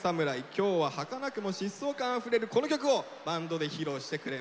今日ははかなくも疾走感あふれるこの曲をバンドで披露してくれます。